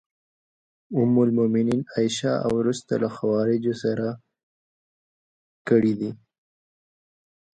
ام المومنین عایشې او وروسته له خوارجو سره کړي دي.